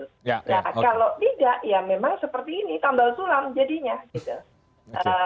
kalau tidak ya memang seperti ini tambah tulang jadinya